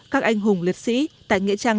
các anh hùng liệt sĩ tại nghệ trang